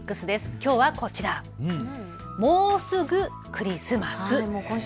きょうはこちら、もうすぐクリスマス。